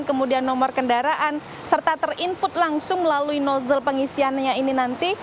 kemudian nomor kendaraan serta ter input langsung melalui nozzle pengisiannya ini nanti